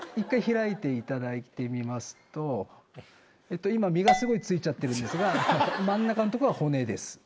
１回開いていただいてみますと今身がスゴい付いちゃってるんですが真ん中のとこが骨です。